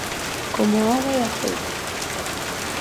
Como auga e aceite.